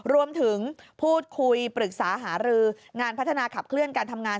รวมถึงพูดคุยปรึกษาหารืองานพัฒนาขับเคลื่อนการทำงาน